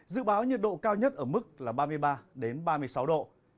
dự báo nhiệt độ cao nhất ở mức là ba mươi ba ba mươi sáu độ